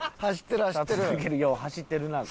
走ってる走ってる。